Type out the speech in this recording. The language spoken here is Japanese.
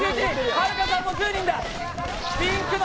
はるかさんも９人だ。